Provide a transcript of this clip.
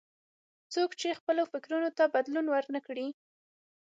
څوک چې خپلو فکرونو ته بدلون ور نه کړي.